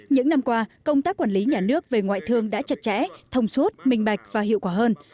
những năm qua công tác quản lý nhà nước về ngoại thương đã chặt chẽ thông suốt minh bạch và hiệu quả hơn